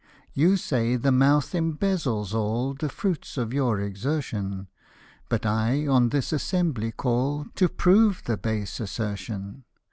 " You say the mouth embezzles all The fruit of your exertion ; But I on this assembly call To prove the base assertion.